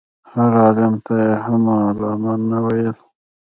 هر عالم ته یې هم علامه نه ویل.